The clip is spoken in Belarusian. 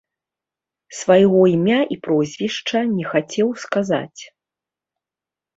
Свайго імя і прозвішча не хацеў сказаць.